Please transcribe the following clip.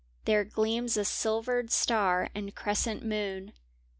There gleams a silvered star and crescent moon.